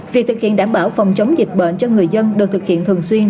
việc thực hiện đảm bảo phòng chống dịch bệnh cho người dân được thực hiện thường xuyên